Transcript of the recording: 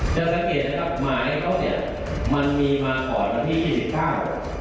จะสังเกตนะครับหมายเขาเนี่ยมันมีมาต่อที่๒๕เมษา๖๒